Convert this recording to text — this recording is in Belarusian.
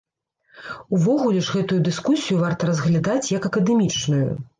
Увогуле ж гэтую дыскусію варта разглядаць як акадэмічную.